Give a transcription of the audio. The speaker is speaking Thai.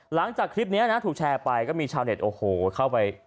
หลังจากคลิปนี้นะถูกแชร์ไปก็มีชาวเน็ตโอ้โหเข้าไป